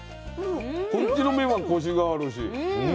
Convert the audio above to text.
こっちの麺はコシがあるし。